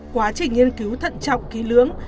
quá trình nghiên cứu thận trọng kỹ lưỡng